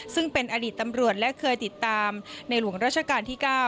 ซึ่งเป็นอดีตตำรวจและเคยติดตามในหลวงราชการที่๙